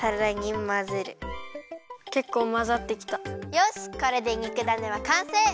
よしこれでにくだねはかんせい！